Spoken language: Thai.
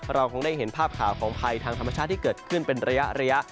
เราคงได้เห็นภาพข่าวของภัยทางธรรมชาติที่เกิดขึ้นเป็นระยะ